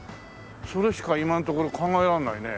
それしか今のところ考えられないね。